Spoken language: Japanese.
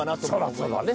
そうだね。